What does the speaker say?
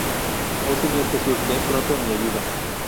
Oh Señor Jesús, ven pronto en mi ayuda.